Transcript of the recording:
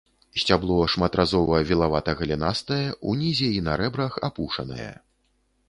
Сцябло шматразова вілавата-галінастае, унізе і на рэбрах апушанае.